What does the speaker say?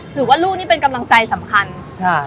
คือว่าลูกนี้เป็นกำลังใจสำคัญใช่